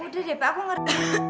udah deh pak aku ngerti